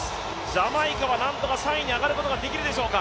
ジャマイカはなんとか３位に上がることができるでしょうか。